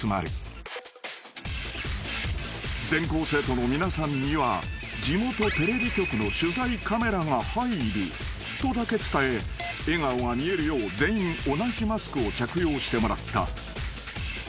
［全校生徒の皆さんには地元テレビ局の取材カメラが入るとだけ伝え笑顔が見えるよう全員同じマスクを着用してもらった］